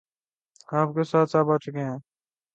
آپ کے استاد صاحب آ چکے ہیں